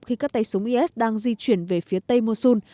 khi các tay súng is đang di chuyển về phía tây mosun